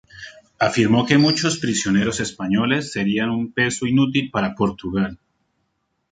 Afirmó que muchos prisioneros españoles serían un peso inútil para Portugal.